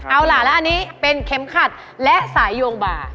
เอาล่ะแล้วอันนี้เป็นเข็มขัดและสายโยงบ่า